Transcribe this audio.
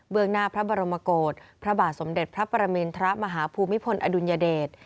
งหน้าพระบรมโกรธพระบาทสมเด็จพระปรมินทรมาฮภูมิพลอดุลยเดช